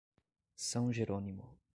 São Jerônimo